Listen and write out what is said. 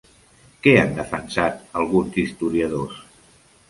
Què han defensat alguns historiadors?